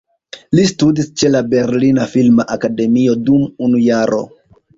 Li studis ĉe la "Berlina Filma Akademio" dum unu jaro.